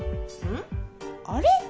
あれ？